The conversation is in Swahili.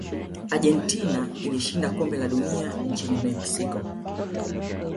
argentina ilishinda kombe la dunia nchini mexico